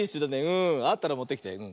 あったらもってきて。